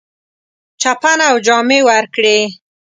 چپنه او جامې ورکړې.